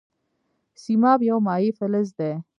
سیماب یو مایع فلز دی.